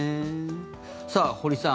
さあ、堀さん